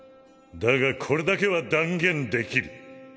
だがこれだけは断言できる。